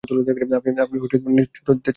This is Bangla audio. আপনি নেতৃত্ব দিতে চান না?